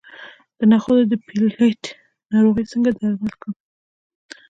د نخودو د پیلټ ناروغي څنګه درمل کړم؟